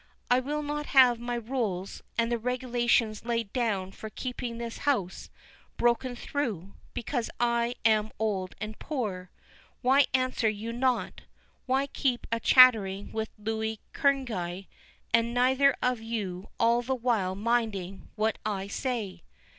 I will not have my rules, and the regulations laid down for keeping this house, broken through, because I am old and poor. Why answer you not? why keep a chattering with Louis Kerneguy, and neither of you all the while minding what I say?